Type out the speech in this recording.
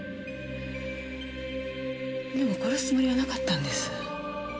でも殺すつもりはなかったんです。